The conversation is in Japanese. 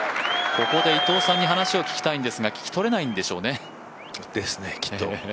ここで伊藤さんに話を聞きたいですけど、聞き取れないんでしょうね